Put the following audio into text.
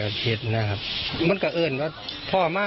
แล้วคุยกับลูกชายก็ได้